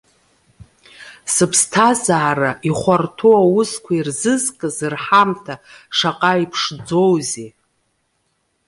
Зыԥсҭазаара, ихәарҭоу аусқәа ирзызкыз рҳамҭа шаҟа иԥшӡоузеи!